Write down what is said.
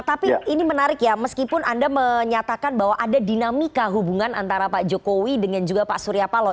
tapi ini menarik ya meskipun anda menyatakan bahwa ada dinamika hubungan antara pak jokowi dengan juga pak surya paloh